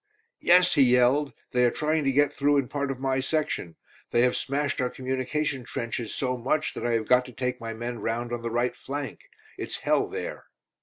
"Yes," he yelled; "they are trying to get through in part of my section. They have smashed our communication trenches so much that I have got to take my men round on the right flank. It's hell there!"